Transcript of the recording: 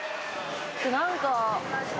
何か。